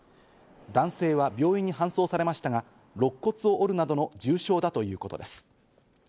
男性は病院に搬送されましたが、肋骨を折るなどの重傷だということです。